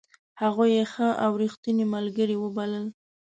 هغوی یې ښه او ریښتوني خلک وبلل.